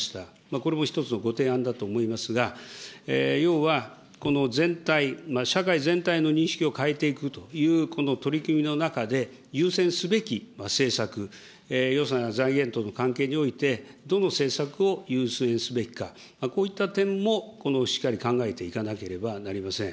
これも一つのご提案だと思いますが、要はこの全体、社会全体の認識を変えていくというこの取り組みの中で、優先すべき政策、予算や財源との関係において、どの政策を優先すべきか、こういった点もしっかり考えていかなければなりません。